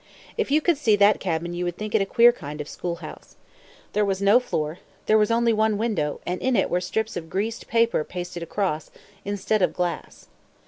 If you could see that cabin you would think it a queer kind of school house. There was no floor. There was only one window, and in it were strips of greased paper pasted across, instead of glass.